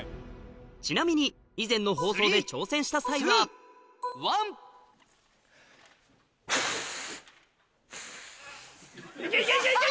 ちなみに以前の放送で挑戦した際はいけいけいけ！